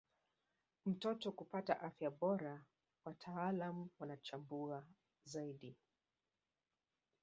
mtoto kupata afya bora wataalam wanachambua zaidi